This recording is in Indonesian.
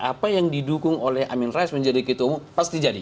apa yang didukung oleh amin rais menjadi ketua umum pasti jadi